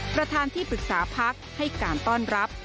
ประธานที่ปรึกษาพักให้การต้อนรับ